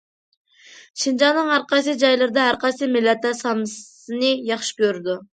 شىنجاڭنىڭ ھەرقايسى جايلىرىدا ھەر قايسى مىللەتلەر سامسىنى ياخشى كۆرىدۇ.